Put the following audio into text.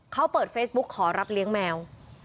เขาเปิดเฟซบุ๊กขอรับเลี้ยงแมว